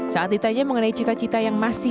saat ditanya mengenai cita cita yang masih